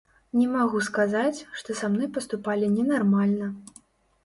Не магу сказаць, што са мной паступалі ненармальна.